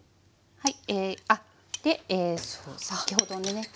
はい。